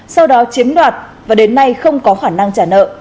sau đó chiếm đoạt và đến nay không có khả năng trả nợ